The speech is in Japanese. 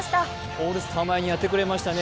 オールスター前にやってくれましたね。